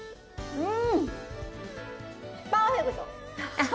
うん！